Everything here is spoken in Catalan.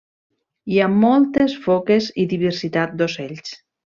Hi ha moltes foques i diversitat d'ocells.